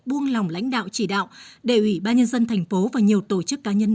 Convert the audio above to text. buông lòng lãnh đạo chỉ đạo để ủy ban nhân dân tp hcm và nhiều tổ chức cá nhân